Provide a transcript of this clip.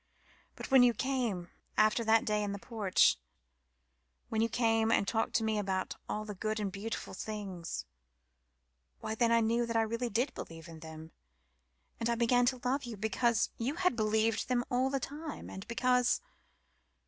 But when you came after that day in the porch when you came and talked to me about all the good and beautiful things why, then I knew that I really did believe in them, and I began to love you because you had believed them all the time, and because....